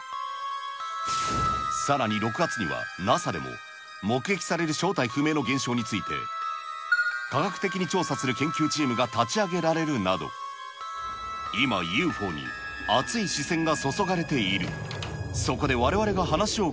さらに６月にはＮＡＳＡでも、目撃される正体不明の現象について、科学的に調査する研究チームが立ち上げられるなど、今、ＵＦＯに熱い視線が注がれている。